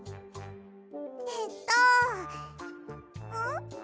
えっとん？